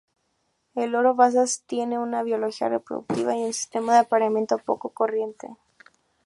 El loro vasa tiene una biología reproductiva y un sistema de apareamiento poco corriente.